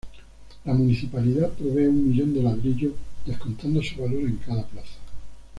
La Municipalidad provee un millón de ladrillos descontando su valor en cada plazo.